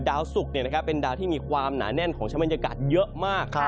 ดาวสุกเนี่ยนะครับเป็นดาวที่มีความหนาแน่นของชะมันยากาศเยอะมาก